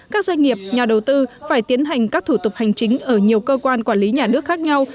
các doanh nghiệp nhà đầu tư phải tiến hành các thủ tục hành chính ở nhiều cơ quan quản lý nhà nước khác nhau